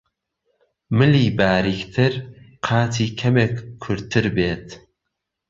ملی باریکتر، قاچی کەمێک کورتتر بێت